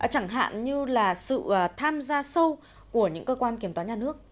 chẳng hạn như là sự tham gia sâu của những cơ quan kiểm toán nhà nước